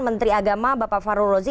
menteri agama bapak fahru razi